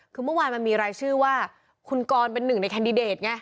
คือเมื่อวานมันมีรายชื่อว่าคุณกรเป็นหนึ่งในแคนดิเดตไง